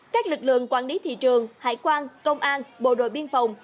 các lực lượng quản lý thị trường hải quan công an bộ đội biên phòng